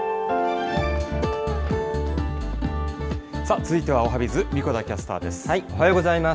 続いてはおはＢｉｚ、神子田キャスターです。